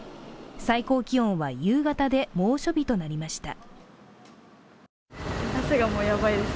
最高気温は夕方で猛暑日となりました。